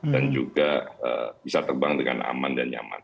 dan juga bisa terbang dengan aman dan nyaman